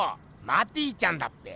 マティちゃんだっぺ！